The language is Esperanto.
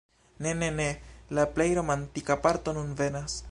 Ne, ne, ne! La plej romantika parto nun venas!